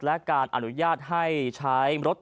และการอนุญาตให้ใช้รถ